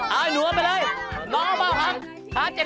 เอาให้หนูเอาไปเลยน้องเอาเปล่าครับ